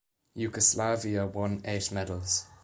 Yugoslavia won eight medals.